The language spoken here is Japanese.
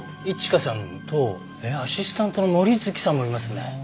市香さんとアシスタントの森月さんもいますね。